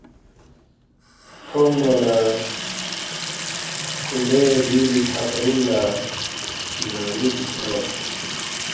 تھونگما نہ کھو لے دیُوری تھغرِنگ لہ نہ می چِک اون٘ید